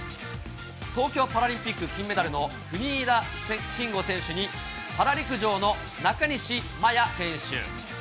東京パラリンピック金メダルの国枝慎吾選手に、パラ陸上の中西麻耶選手。